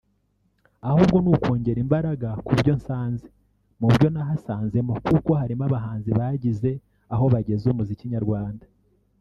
ahubwo ni ukongera imbaraga kubyo nsanze mubyo nahasanzemo kuko harimo abahanzi bagize aho bageza umuziki nyarwanda